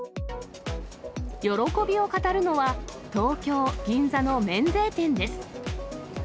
喜びを語るのは、東京・銀座の免税店です。